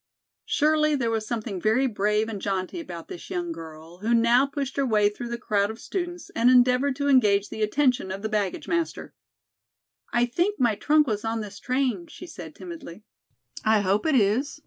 Surely there was something very brave and jaunty about this young girl who now pushed her way through the crowd of students and endeavored to engage the attention of the baggage master. "I think my trunk was on this train," she said timidly. "I hope it is.